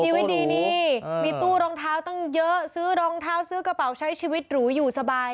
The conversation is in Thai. ชีวิตดีนี่มีตู้รองเท้าตั้งเยอะซื้อรองเท้าซื้อกระเป๋าใช้ชีวิตหรูอยู่สบาย